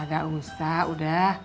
nggak usah udah